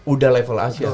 udah level asia